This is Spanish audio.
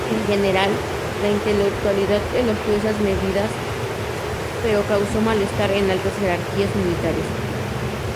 En general, la intelectualidad elogió esas medidas, pero causó malestar en altas jerarquías militares.